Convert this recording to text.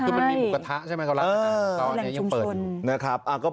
คือมันมีหมุกระทะใช่ไหมครับร้านอาหารตอนนี้ยังเปิด